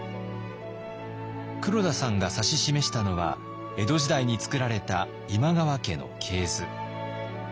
黒田さんが指し示したのは江戸時代に作られた今川家の系図。